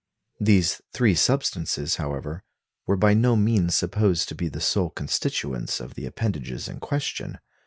These three substances, however, were by no means supposed to be the sole constituents of the appendages in question.